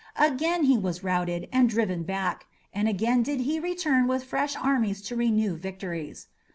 Again was he routed and driven back, and again did he return with fresh armies to renewed victories.